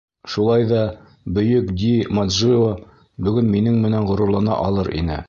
Шулай ҙа бөйөк Ди Маджио бөгөн минең менән ғорурлана алыр ине.